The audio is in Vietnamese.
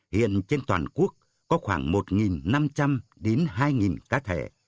hiện trên toàn quốc có khoảng một năm trăm linh đến hai cá thể